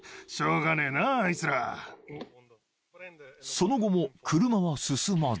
［その後も車は進まず］